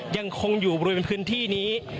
ยังคงอยู่บริเวณพื้นที่นี้